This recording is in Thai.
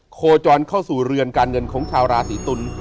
โคจรเข้าสู่เรือนการเงินของชาวราศีตุล